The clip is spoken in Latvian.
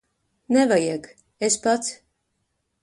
Nevajag. Es pats.